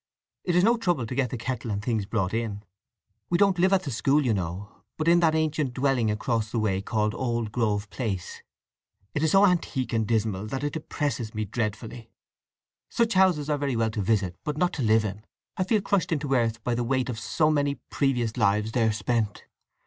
It is no trouble to get the kettle and things brought in. We don't live at the school you know, but in that ancient dwelling across the way called Old Grove Place. It is so antique and dismal that it depresses me dreadfully. Such houses are very well to visit, but not to live in—I feel crushed into the earth by the weight of so many previous lives there spent.